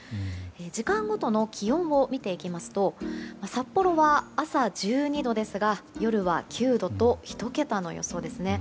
時間ごとの気温を見ていきますと札幌は朝１２度ですが夜は９度と１桁の予想ですね。